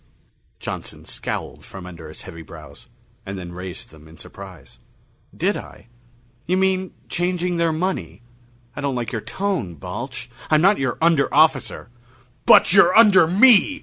Johnson scowled from under his heavy brows, and then raised them in surprise. "Did I? You mean changing their money? I don't like your tone, Balch. I'm not your under officer!" "But you're under me!"